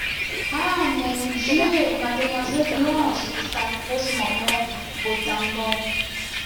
Ah ! mon Dieu ! mademoiselle Blanche et sa grosse maman Beautendon.